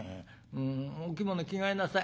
お着物着替えなさい。